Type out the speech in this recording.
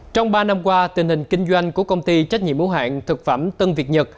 trong ba năm qua tình hình kinh doanh của công ty trách nhiệm mẫu hạng thực phẩm tân việt nhật